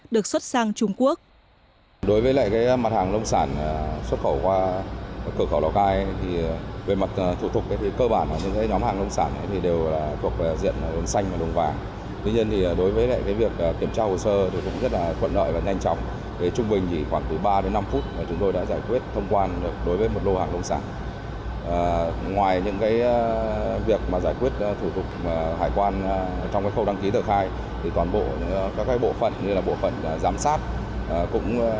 được xuất sang trung quốc